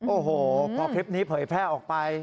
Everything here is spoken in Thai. โอ้โหพอคลิปนี้เผยแพร่ออกไป